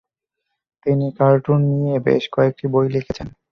তিনি কার্টুন নিয়ে বেশ কয়েকটি বই লিখেছেন।